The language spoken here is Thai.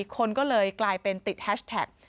คนก็เลยกลายเป็นติดแฮชแท็ก